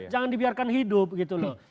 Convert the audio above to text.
jangan dibiarkan hidup gitu loh